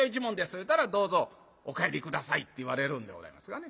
言うたら「どうぞお帰り下さい」って言われるんでございますがね。